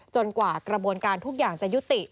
กว่ากระบวนการทุกอย่างจะยุติ